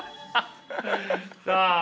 さあ。